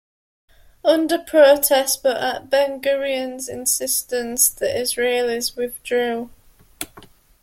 Under protest but at Ben-Gurion's insistence, the Israelis withdrew.